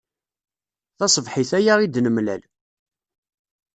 Taṣebḥit aya i d-nemlal.